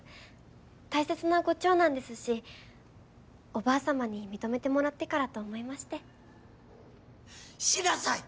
大切なご長男ですしおばあさまに認めてもらってからと思いましてしなさい！